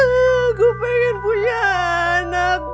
gue pengen punya anak